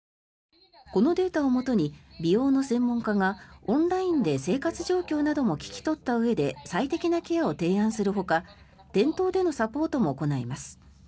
このデータをもとに美容の専門家がオンラインで生活状況なども聞き取ったうえで最適なケアを提案するほか店頭でのサポートも行います。